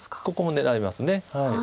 ここも狙います。